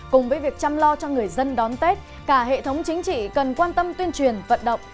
cùng với việc chăm lo cho người dân đón tết cả hệ thống chính trị cần quan tâm tuyên truyền vận động